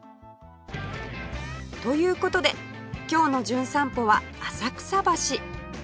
という事で今日の『じゅん散歩』は浅草橋